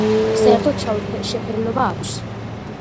საერთოდ შავი შეფერილობა აქვს.